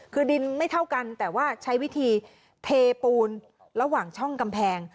คือดินไม่เท่ากันแต่ว่าใช้วิธีเทปูนระหว่างช่องกำแพง